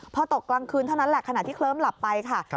พอตกกลางคืนเท่านั้นแหละขณะที่เคลิ้มหลับไปค่ะ